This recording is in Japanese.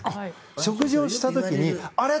食事をした時にあれ？